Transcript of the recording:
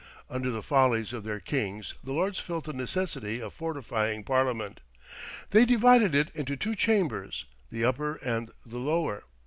Under the follies of their kings the Lords felt the necessity of fortifying Parliament. They divided it into two chambers, the upper and the lower.